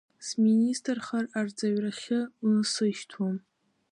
Сминистрхар арҵаҩрахьы унасышьҭуам.